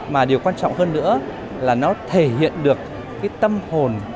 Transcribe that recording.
mà điều quan trọng hơn nữa là nó thể hiện được cái tâm hồn